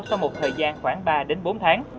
sau một thời gian khoảng ba bốn tháng